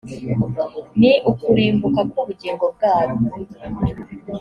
ni ukurimbuka k ubugingo bwabo